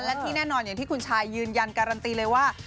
และที่แน่นอนอย่างที่คุณชายยืนยันการันตีเลยว่า